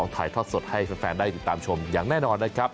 ถ่ายทอดสดให้แฟนได้ติดตามชมอย่างแน่นอนนะครับ